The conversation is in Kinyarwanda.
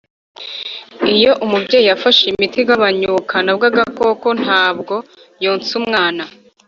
iyo umubyeyi yafashe imiti igabanya ubukana bw agakoko ntabwo yonsa umwana